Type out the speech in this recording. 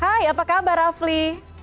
hai apa kabar rafli